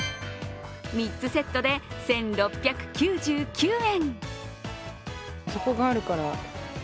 ３つセットで１６９９円。